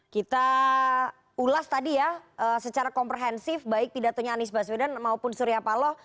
kita ulas tadi ya secara komprehensif baik pidatonya anies baswedan maupun surya paloh